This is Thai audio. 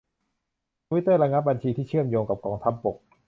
ทวิตเตอร์ระงับบัญชีที่เชื่อมโยงกับกองทัพบก